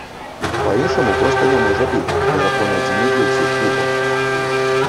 Па-іншаму проста не можа быць, бо закон адзіны для ўсіх клубаў.